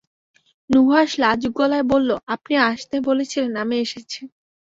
নুহাশ লাজুক গলায় বলল, আপনি আসতে বলেছিলেন, আমি এসেছি।